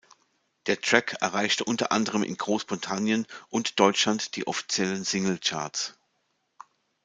Der Track erreichte unter anderem in Großbritannien und Deutschland die offiziellen Single-Charts.